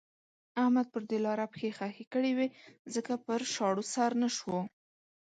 احمد پر دې لاره پښې خښې کړې وې ځکه پر شاړو سر نه شو.